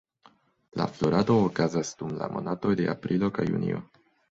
La florado okazas dum la monatoj de aprilo kaj junio.